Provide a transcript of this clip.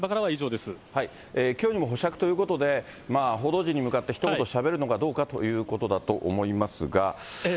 きょうにも保釈ということで、報道陣に向かってひと言しゃべるのかどうかということだと思いますが。